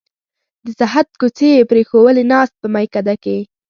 د زهد کوڅې یې پرېښوولې ناست په میکده کې